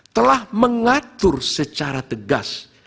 telah mengatur secara tegas